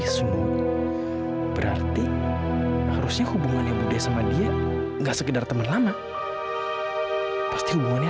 sampai jumpa di video selanjutnya